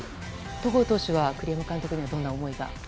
戸郷投手は栗山監督にはどんな思いが？